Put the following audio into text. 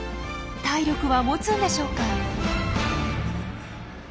体力はもつんでしょうか。